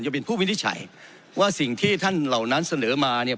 จะเป็นผู้วินิจฉัยว่าสิ่งที่ท่านเหล่านั้นเสนอมาเนี่ย